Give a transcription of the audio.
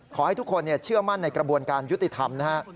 ขอให้ทุกคนเชื่อมั่นในกระบวนการยุติธรรมนะฮะ